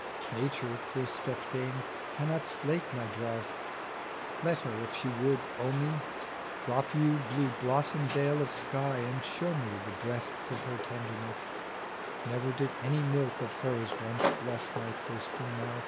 Nature, poor stepdame, cannot slake my drouth ; Let her, if she would owe me, Drop yon blue bosom veil of sky, and show me The breasts o' her tenderness : Never did any milk of hers once bless My thirsting mouth.